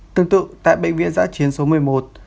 tương tự tại bệnh viện dã triển số một mươi một